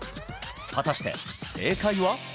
果たして正解は？